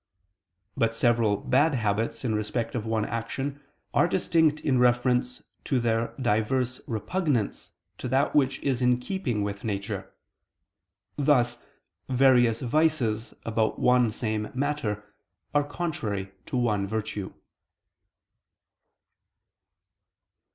But several bad habits in respect of one action are distinct in reference to their diverse repugnance to that which is in keeping with nature: thus, various vices about one same matter are contrary to one virtue.